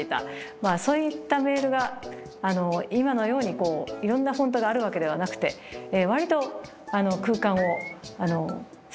まあそういったメールが今のようにいろんなフォントがあるわけではなくて割と空間をストレートに露骨に飛び回っていた。